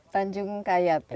tanjung kayat ya